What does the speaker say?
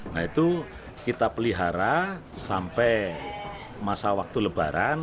nah itu kita pelihara sampai masa waktu lebaran